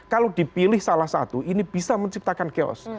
kalau dipilih salah satu ini bisa menciptakan chaos